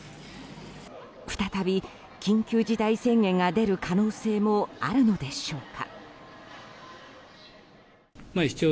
再び緊急事態宣言が出る可能性もあるのでしょうか。